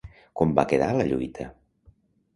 Com va quedar la lluita?